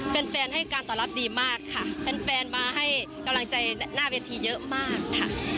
แฟนให้การตอบรับดีมากค่ะแฟนมาให้กำลังใจหน้าเวทีเยอะมากค่ะ